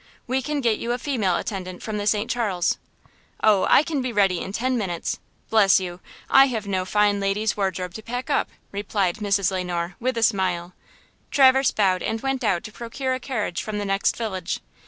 We can get you a female attendant from the St. Charles." "Oh, I can be ready in ten minutes! Bless you, I have no fine lady's wardrobe to pack up!" replied Mrs. Le Noir, with a smile. Traverse bowed and went out to procure a carriage from the next village.